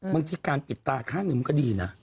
บางทีการปิดตาข้างหนึ่งมันก็ดีนะ